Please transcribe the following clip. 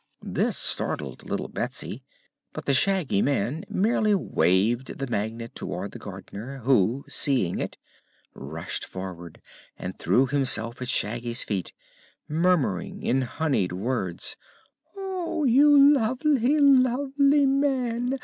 This startled little Betsy, but the Shaggy Man merely waved the Magnet toward the Gardener, who, seeing it, rushed forward and threw himself at Shaggy's feet, murmuring in honeyed words: "Oh, you lovely, lovely man!